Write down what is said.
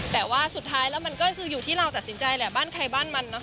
แต่ว่าสุดท้ายแล้วมันก็คืออยู่ที่เราตัดสินใจแหละบ้านใครบ้านมัน